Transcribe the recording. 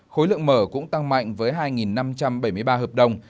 khối lượng mở cũng tăng mạnh với hai năm trăm bảy mươi ba hợp đồng